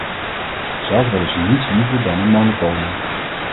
Zelf willen ze niets liever dan een monopolie.